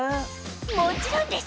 もちろんです！